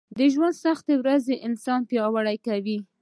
د ژونــد سختې ورځې انـسان پـیاوړی کوي